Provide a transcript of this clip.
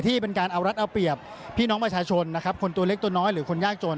เป็นการเอารัฐเอาเปรียบพี่น้องประชาชนนะครับคนตัวเล็กตัวน้อยหรือคนยากจน